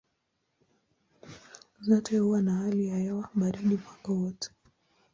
Zote huwa na hali ya hewa baridi mwaka wote.